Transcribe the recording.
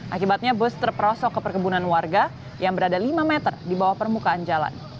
akibatnya bus terperosok ke perkebunan warga yang berada lima meter di bawah permukaan jalan